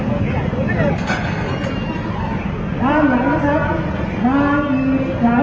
ทางหลังนะครับทางสายทะเล๊อดครับ